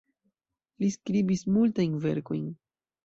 Li skribis multajn verkojn.